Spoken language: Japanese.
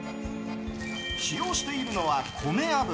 使用しているのは米油。